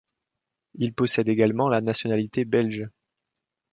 Il possède également la nationalité belge.